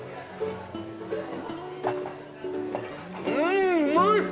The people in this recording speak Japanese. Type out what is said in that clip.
んうまい！